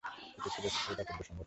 এটি একটি বেসরকারী দাতব্য সংগঠন।